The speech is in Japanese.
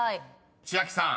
［千秋さん